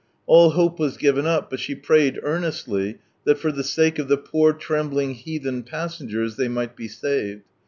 All hope was given up, but she prayed earnestly that, for the sake of the poor trembling heathen passengers, they might be saved.